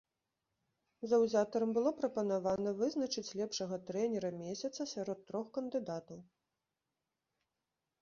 Заўзятарам было прапанавана вызначыць лепшага трэнера месяца сярод трох кандыдатаў.